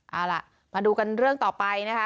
เอาล่ะมาดูกันเรื่องต่อไปนะคะ